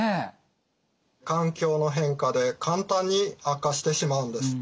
環境の変化で簡単に悪化してしまうんです。